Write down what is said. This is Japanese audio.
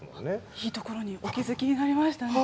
いいところにお気付きになりましたね。